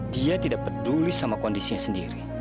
dia tidak peduli sama kondisinya sendiri